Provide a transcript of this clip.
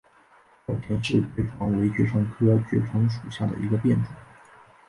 早田氏爵床为爵床科爵床属下的一个变种。